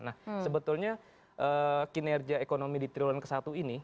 nah sebetulnya kinerja ekonomi di triwulan ke satu ini